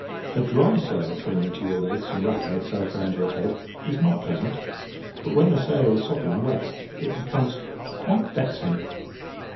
A dry sail clinging to your legs and wrapping itself round your head is not pleasant, but, when the sail is sopping wet, it becomes quite vexing.